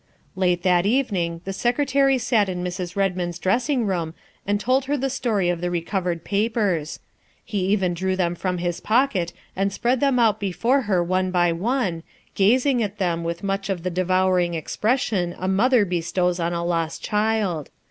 Late that evening the Secretary sat in Mrs. Red mond's dressing room and told her the story of the recovered papers. He even drew them from his pocket and spread them out before her one by one, gazing at them with much of the devouring expression a mother bestows on a lost child.